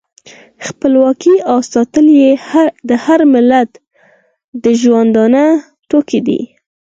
خپلواکي او ساتل یې د هر ملت د ژوندانه توکی دی.